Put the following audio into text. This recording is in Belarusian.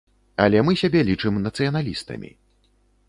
Але мы сябе лічым нацыяналістамі.